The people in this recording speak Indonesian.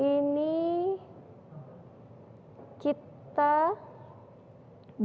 ini kita dapat